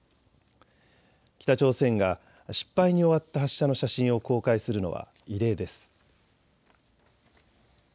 北朝鮮が失敗に終わった発射の写真を公開するのは異例です。